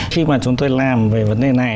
khi mà chúng tôi làm về vấn đề này